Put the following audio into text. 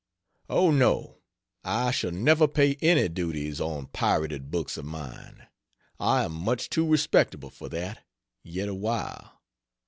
Oh, no, I shall never pay any duties on pirated books of mine. I am much too respectable for that yet awhile.